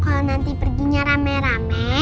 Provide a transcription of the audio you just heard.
kalau nanti perginya rame rame